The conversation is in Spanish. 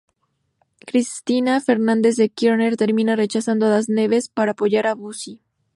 Cristina Fernández de Kirchner termina rechazando a Das Neves para apoyar a Buzzi.